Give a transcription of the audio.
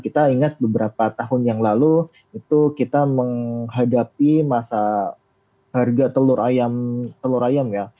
kita ingat beberapa tahun yang lalu itu kita menghadapi masa harga telur ayam telur ayam ya